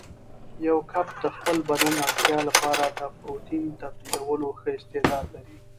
یو کب د خپل بدن اړتیا لپاره د پروتین تبدیلولو ښه استعداد لري.